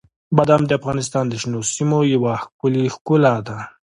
بادام د افغانستان د شنو سیمو یوه ښکلې ښکلا ده.